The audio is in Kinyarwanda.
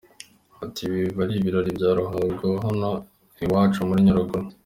Ati:”Ibi biba ari ibirori bya ruhago hano iwacu muri Nyaruguru.